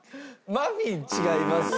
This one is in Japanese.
マフィン違います。